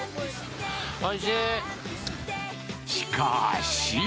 しかし。